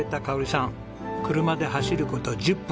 車で走る事１０分。